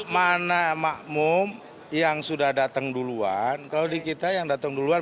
mana makmum yang sudah datang duluan kalau di kita yang datang duluan